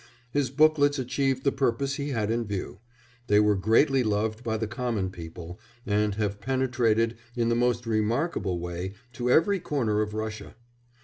His booklets achieved the purpose he had in view; they were greatly loved by the common people, and have penetrated, in the most remarkable way, to every corner of Russia.